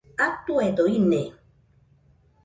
Atuedo ine